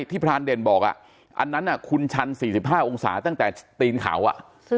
ที่พระอาณเดชน์บอกอะอันนั้นน่ะคุณชัน๔๕องศาตั้งแต่ตีนเขาอะ